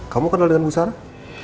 kamu kenal dengan bu sarah